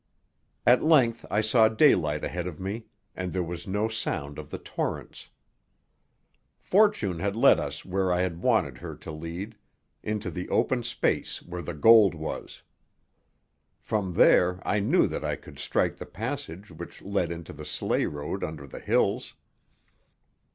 At length I saw daylight ahead of me and there was no sound of the torrents. Fortune had led us where I had wanted her to lead into the open space where the gold was. From there I knew that I could strike the passage which led into the sleigh road under the hills.